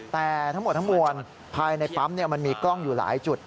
แต่ทั้งหมดทั้งมวลภายในปั๊มมันมีกล้องอยู่หลายจุด